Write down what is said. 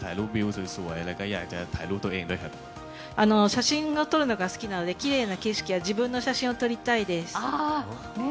写真を撮るのが好きなのできれいな景色や自分の写真を撮りたいです。